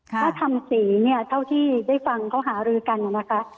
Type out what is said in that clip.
ถ้าทำสีเนี่ยเท่าที่ได้ฟังเขาหารือกันนะคะ